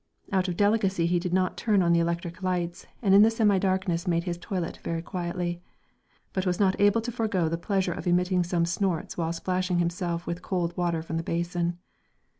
Out of delicacy he did not turn on the electric lights and in the semi darkness made his toilet very quietly, but was not able to forego the pleasure of emitting some snorts while splashing himself with cold water from the basin.